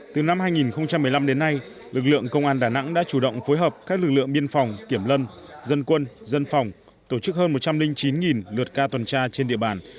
từ năm hai nghìn một mươi năm đến nay lực lượng công an đà nẵng đã chủ động phối hợp các lực lượng biên phòng kiểm lâm dân quân dân phòng tổ chức hơn một trăm linh chín lượt ca tuần tra trên địa bàn